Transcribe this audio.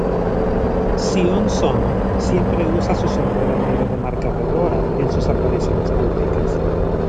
Sion Sono siempre usa su sombrero negro de marca Fedora en sus apariciones públicas.